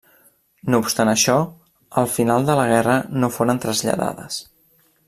No obstant això, al final de la guerra no foren traslladades.